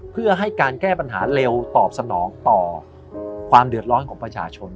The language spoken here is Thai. เพื่อให้การแก้ปัญหาเร็วตอบสนองต่อความเดือดร้อนของประชาชน